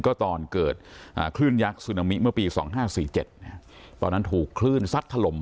ก็ตอนเกิดคลื่นยักษ์ซึนามิเมื่อปี๒๕๔๗ตอนนั้นถูกคลื่นซัดถล่ม